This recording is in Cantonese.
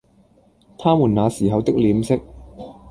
他們那時候的臉色，